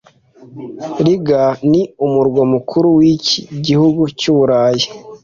Riga ni umurwa mukuru wiki gihugu cyu Burayi